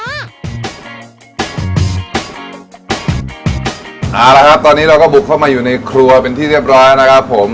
เอาละครับตอนนี้เราก็บุกเข้ามาอยู่ในครัวเป็นที่เรียบร้อยนะครับผม